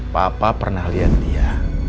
papa pernah lihat dia